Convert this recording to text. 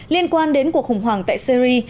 liên quan đến cuộc khủng hoảng tại syri